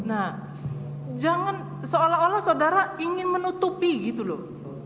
nah jangan seolah olah saudara ingin menutupi gitu loh